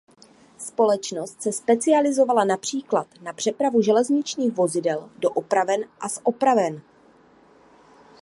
Společnost se specializovala například na přepravu železničních vozidel do opraven a z opraven.